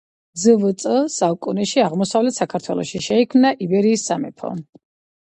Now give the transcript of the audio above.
ძვ წ საუკუნეში აღმოსავლეთ საქართველოში შეიქმნა იბერიის სამეფო